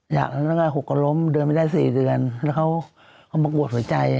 อยากลองได้๖กับล้มเดินไม่ได้สี่เดือนแล้วเขาก็ไม่ประหวัดหัวใจ